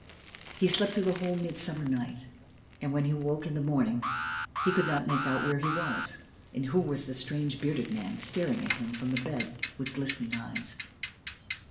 He slept through the whole mild summer night, and when he awoke in the morning he could not make out where he was and who was the strange bearded man staring at him from the bed with glistening eyes.